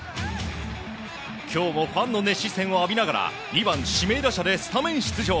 今日もファンの熱視線を浴びながら２番指名打者でスタメン出場。